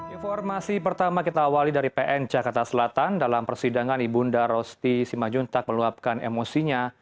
informasi pertama kita awali dari pn jakarta selatan dalam persidangan ibunda rosti simajuntak meluapkan emosinya